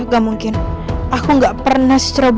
gak mungkin aku nggak pernah seceroboh itu